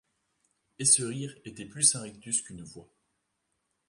Et ce rire était plus un rictus qu’une voix ;